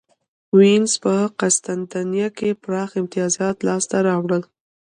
وینز په قسطنطنیه کې پراخ امیتازات لاسته راوړل.